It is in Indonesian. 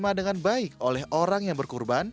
diterima dengan baik oleh orang yang berkurban